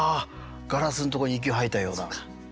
ガラスのところに息を吐いたような。